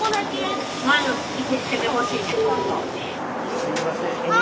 すみません。